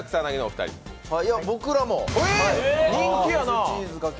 僕らも。